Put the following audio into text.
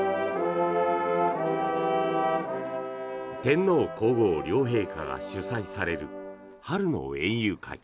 天皇・皇后両陛下が主催される春の園遊会。